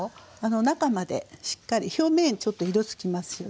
中までしっかり表面にちょっと色つきますよね。